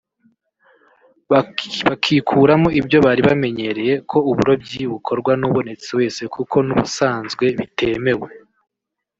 bakikuramo ibyo bari bamenyereye ko uburobyi bukorwa n’ubonetse wese kuko n’ubusanzwe bitemewe